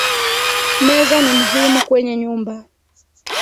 Meza ni muhimu kwenye nyumba